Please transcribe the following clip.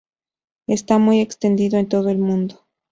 Está muy extendido en todo el mundo.